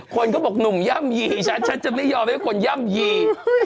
คนก็บอกหนุ่มย่ำยีฉันฉันจะไม่ยอมให้คนย่ำยี